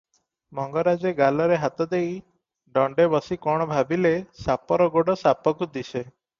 ମଙ୍ଗରାଜେ ଗାଲରେ ହାତ ଦେଇ ଦଣ୍ତେ ବସି କଣ ଭାବିଲେ, ସାପର ଗୋଡ଼ ସାପକୁ ଦିଶେ ।